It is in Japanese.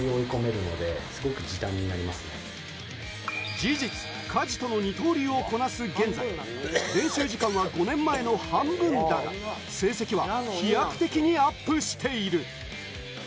事実、家事との二刀流をこなす現在、練習時間は５年前の半分だが、成績は飛躍的にアップしている。